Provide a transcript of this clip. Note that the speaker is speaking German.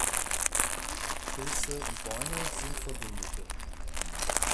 Pilze und Bäume sind Verbündete.